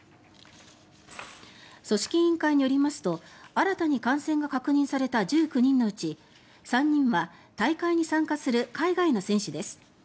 組織委員会によりますと新たに感染が確認された１９人のうち３人は大会に参加する海外の選手です。